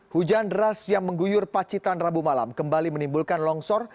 hujan deras yang mengguyur pacitan rabu malam kembali menimbulkan longsor